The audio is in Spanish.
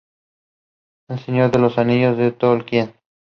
El Señor de los Anillos de Tolkien.